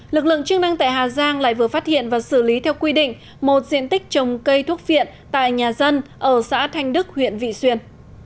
lực lượng chức năng tại hà giang lại vừa phát hiện và xử lý theo quy định một diện tích trồng cây thuốc viện tại nhà dân ở xã thanh đức huyện vị xuyên